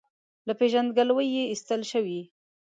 له پېژندګلوۍ یې ایستل شوی.